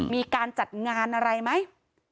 มีการจัดงานอะไรไหม